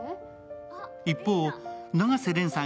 一方、永瀬廉さん